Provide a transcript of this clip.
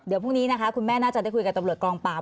เดี๋ยวพรุ่งนี้นะคะคุณแม่น่าจะได้คุยกับตำรวจกองปราบ